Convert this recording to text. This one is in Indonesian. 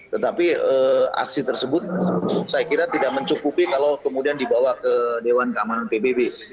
tetapi aksi tersebut saya kira tidak mencukupi kalau kemudian dibawa ke dewan keamanan pbb